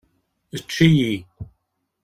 Ečč-iyi.